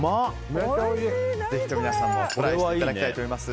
ぜひとも皆さんも試していただきたいと思います。